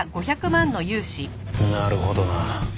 なるほどな。